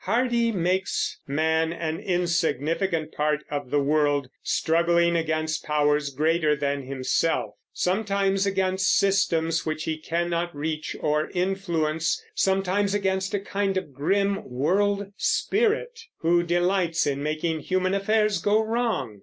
Hardy makes man an insignificant part of the world, struggling against powers greater than himself, sometimes against systems which he cannot reach or influence, sometimes against a kind of grim world spirit who delights in making human affairs go wrong.